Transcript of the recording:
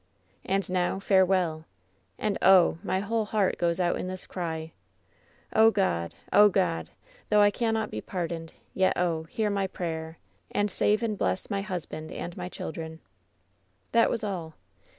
And now, farewell! And oh! my whole heart goes out in this cry. Oh, God ! Oh, God ! though I cannot be par doned — ^yet, oh ! hear my prayer, and save and bless my husband and my children I" That was all.